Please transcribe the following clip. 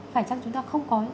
phải chăng chúng ta không có